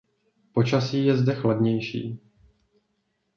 Počasí je zde chladnější.